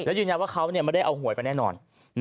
ยืนยันว่าเขาไม่ได้เอาหวยไปแน่นอน